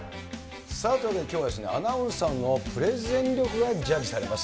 さあ、というわけで、きょうはですね、アナウンサーのプレゼン力がジャッジされます。